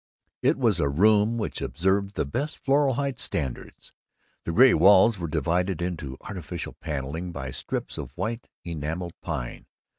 It was a room which observed the best Floral Heights standards. The gray walls were divided into artificial paneling by strips of white enameled pine.